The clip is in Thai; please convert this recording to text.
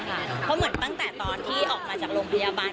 เพราะเหมือนตั้งแต่ตอนที่ออกมาจากโรงพยาบาล